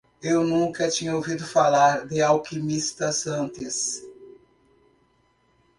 Eu nunca tinha ouvido falar de alquimistas antes